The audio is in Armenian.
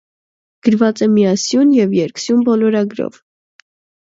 Գրված է միասյուն և երկսյուն բոլորագրով։